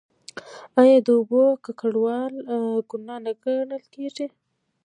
آیا د اوبو ککړول ګناه نه ګڼل کیږي؟